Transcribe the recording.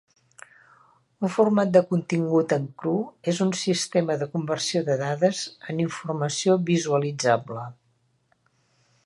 Un format de contingut en cru és un sistema de conversió de dades en informació visualitzable.